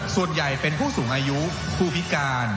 ส่วนใหญ่เป็นผู้สูงอายุผู้พิการ